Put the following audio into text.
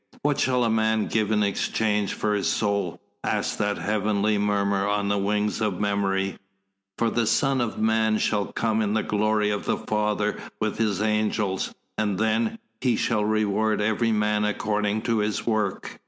"What shall a man give in exchange for his soul?" asked that heavenly murmur on the wings of memory. "For the Son of Man shall come in the glory of the Father with His angels; and then He shall reward every man according to his work."